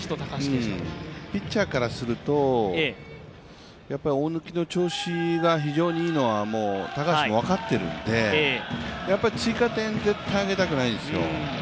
ピッチャーからすると大貫の調子が非常にいいのは高橋も分かっているので、追加点を絶対にあげたくないんですよ。